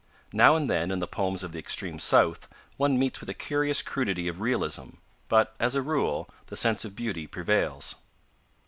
Now and then, in the poems of the extreme South one meets with a curious crudity of realism, but, as a rule, the sense of beauty prevails.